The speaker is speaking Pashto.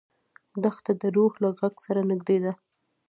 دښته د روح له غږ سره نږدې ده.